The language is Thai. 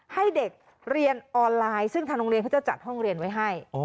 ให้เด็กเรียนออนไลน์ซึ่งทางโรงเรียนเขาจะจัดห้องเรียนไว้ให้